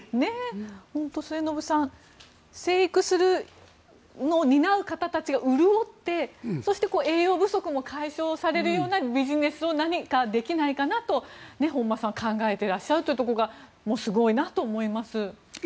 末延さん生育するのを担う方たちが潤って、そして、栄養不足も解消されるようなビジネスを何かできないかなと本間さんは考えていらっしゃるところがすごいなと思います。